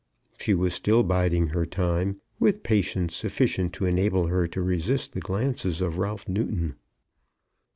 She was still biding her time, with patience sufficient to enable her to resist the glances of Ralph Newton.